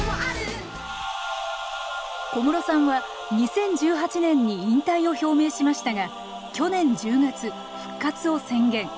小室さんは２０１８年に引退を表明しましたが去年１０月復活を宣言。